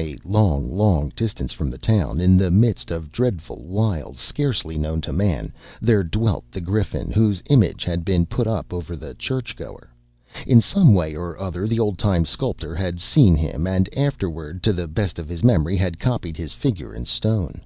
A long, long distance from the town, in the midst of dreadful wilds scarcely known to man, there dwelt the Griffin whose image had been put up over the churchgoer. In some way or other, the old time sculptor had seen him, and afterward, to the best of his memory, had copied his figure in stone.